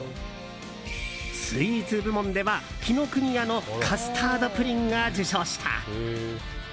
スイーツ部門では紀ノ国屋のカスタードプリンが受賞した。